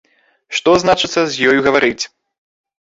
Што, значыцца, з ёю гаварыць!